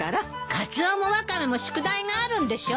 カツオもワカメも宿題があるんでしょ。